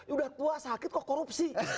udah tua sakit kok korupsi